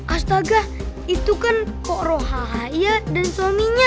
astagah itu kan kok rohaya dan suaminya